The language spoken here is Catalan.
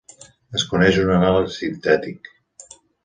Es coneix un anàleg sintètic.